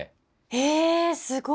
へえすごい。